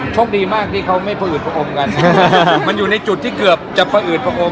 โชคดีมากที่เขาไม่ประอุดภงกันมันอยู่ในจุดที่เกือบจะประอุดภง